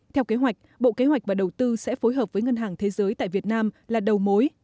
theo kế hoạch bộ kế hoạch và đầu tư sẽ phối hợp với ngân hàng thế giới tại việt nam là đầu mối